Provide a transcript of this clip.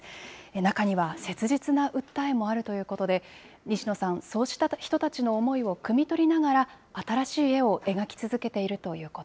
中には、切実な訴えもあるということで、西野さん、そうした人たちの思いをくみ取りながら、新しい絵を描き続けているということ